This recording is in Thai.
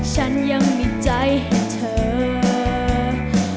ฉันยังมีใจให้เธอ